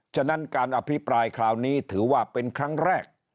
ฉะนั้นการอภิปรายคราวนี้ถือว่าเป็นครั้งแรก